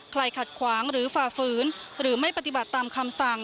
ขัดขวางหรือฝ่าฝืนหรือไม่ปฏิบัติตามคำสั่ง